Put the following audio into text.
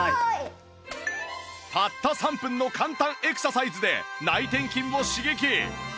たった３分の簡単エクササイズで内転筋を刺激